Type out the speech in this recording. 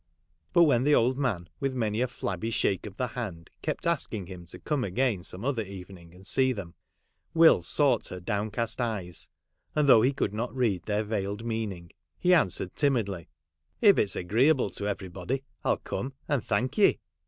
But when the old man, with many a flabby shake of the hand, kept asking him to come again some other evening and see them, Will sought her down cast eyes, and, though he could not read their veiled meaning, he an swered timidly, ' If it 's agreeable to every body, I '11 come — and thank ye.'